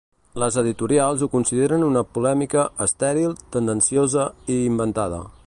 Les editorials ho consideren una polèmica ‘estèril, tendenciosa i inventada’